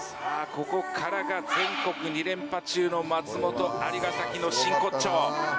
ここからが全国２連覇中の松本蟻ヶ崎の真骨頂。